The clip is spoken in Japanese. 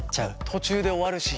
途中で終わるし。